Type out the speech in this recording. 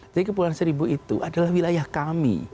jadi kepulauan seribu itu adalah wilayah kami